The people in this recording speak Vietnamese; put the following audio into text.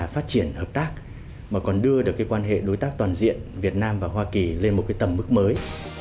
phát triển hợp tác mà còn đưa được cái quan hệ đối tác toàn diện việt nam và hoa kỳ lên một cái tầm mức mới